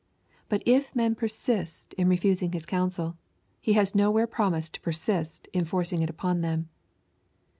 But if men persist in refusing His counsel, He has nowhere promised to persist in forcing it upon them.